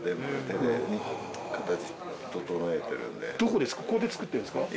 ここで作ってるんですか？